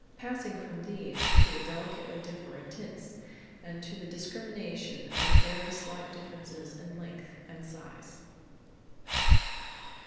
passing from these to the delicately differing tints, and to the discrimination of very slight differences in length and size.